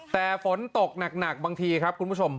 แต่ฝนตกหนักบางทีครับคุณผู้ชม